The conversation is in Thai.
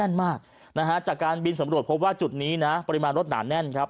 มากนะฮะจากการบินสำรวจพบว่าจุดนี้นะปริมาณรถหนาแน่นครับ